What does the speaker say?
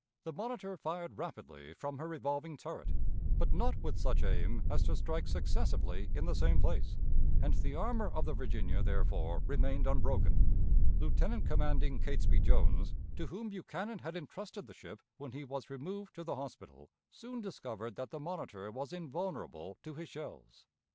The Monitor fired rapidly from her revolving turret, but not with such aim as to strike successively in the same place, and the armor of the Virginia, therefore, remained unbroken. Lieutenant commanding Catesby Jones, to whom Buchanan had intrusted the ship when he was removed to the hospital, soon discovered that the Monitor was invulnerable to his shells.